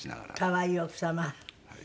可愛い奥様。